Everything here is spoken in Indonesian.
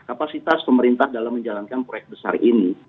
kapasitas pemerintah dalam menjalankan proyek besar ini